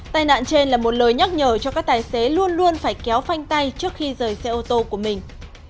tai nạn trên là một lời nhắc nhở cho các tài xế luôn luôn phải kéo phanh tay trước khi rời xe ô tô của mình